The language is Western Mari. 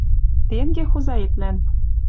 Тенге хозаэтлан: